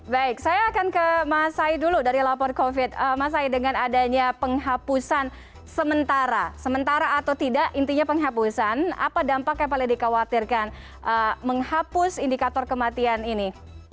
baik saya akan ke mas said dulu dari lapor covid mas said dengan adanya penghapusan sementara atau tidak intinya penghapusan apa dampak yang paling dikhawatirkan menghapus indikator kematian ini